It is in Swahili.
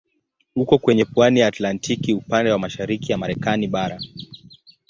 Uko kwenye pwani ya Atlantiki upande wa mashariki ya Marekani bara.